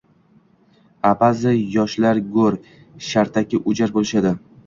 Ha, ba`zi yoshlar g`o`r, shartaki, o`jar bo`lishadi